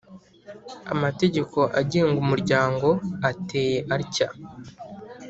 amategeko agenga Umuryango ateye atya: